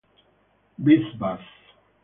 Bees buzz.